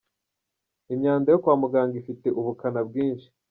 Imyanda yo kwa muganga ifite ubukana bwinshi